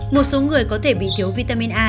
một số người có thể bị thiếu vitamin a